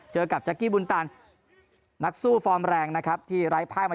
เจอกับแจ๊กกี้บุญตันนักสู้ฟอร์มแรงนะครับที่ไร้ไพ่มา